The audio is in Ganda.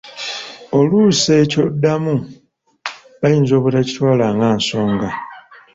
Oluusi eky'oddamu bayinza obutakitwala nga nsonga.